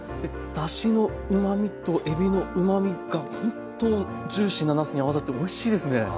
だしのうまみとえびのうまみがほんとジューシーななすに合わさっておいしいですね。